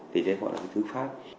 thì đấy gọi là thứ phát